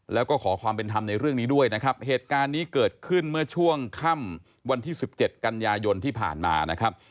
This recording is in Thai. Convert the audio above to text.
แล้วก็ขอความเป็นธรรมในเรื่องนี้ด้วยนะครับเหตุการณ์นี้เกิดขึ้นเมื่อช่วงค่ำวันที่๑๗กันยายนที่ผ่านมานะครับ